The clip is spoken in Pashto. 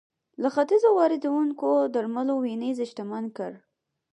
له ختیځه واردېدونکو درملو وینز شتمن کړ